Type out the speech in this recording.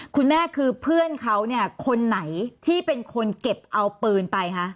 คุณแม่คือเพื่อนเขาเนี่ยคนไหนที่เป็นคนเก็บเอาปืนไปคะ